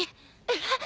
えっ！？